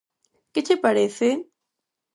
¿Que che parece?